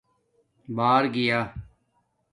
بݳر گیݳ